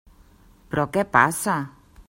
Però, què passa?